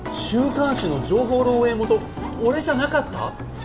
週刊誌の情報漏えいもと俺じゃなかった？